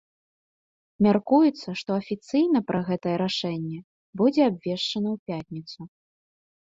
Мяркуецца, што афіцыйна пра гэтае рашэнне будзе абвешчана ў пятніцу.